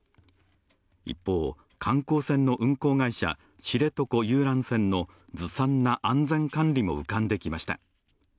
一方、観光船の運航会社、知床遊覧船のずさんな安全管理も浮かんできました。